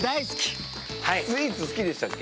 スイーツ好きでしたっけ？